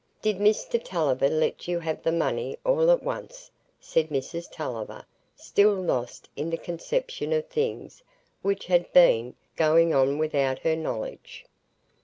"Did Mr Tulliver let you have the money all at once?" said Mrs Tulliver, still lost in the conception of things which had been "going on" without her knowledge.